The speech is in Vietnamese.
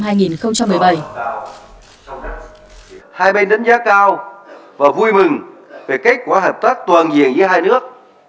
hai bên đánh giá cao và vui mừng về kết quả hợp tác toàn diện giữa hai nước